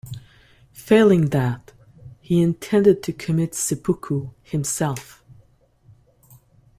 Failing that, he intended to commit "seppuku" himself.